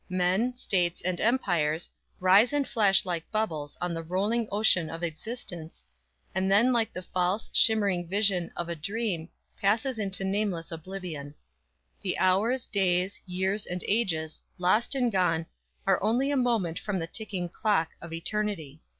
Men, states and empires, rise and flash like bubbles On the rolling ocean of existence, And then like the false, shimmering vision Of a dream, pass into nameless oblivion. The hours, days, years and ages, lost and gone Are only a moment from the ticking clock Of eternity.